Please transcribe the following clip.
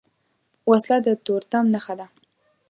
وسله د تورتم نښه ده